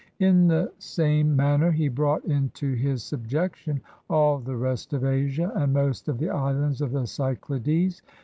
In the same manner he brought into his subjection all the rest of Asia and most of the islands of the Cyclades.